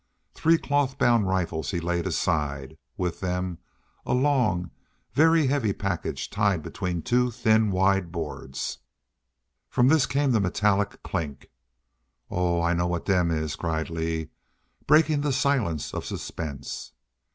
Three cloth bound rifles he laid aside, and with them a long, very heavy package tied between two thin wide boards. From this came the metallic clink. "Oo, I know what dem is!" cried Lee, breaking the silence of suspense.